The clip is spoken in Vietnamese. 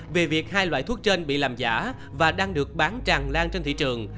về việc hai loại thuốc trên bị làm giả và đang được bán tràn lan trên thị trường